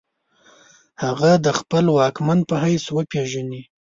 هغه د خپل واکمن په حیث وپیژني.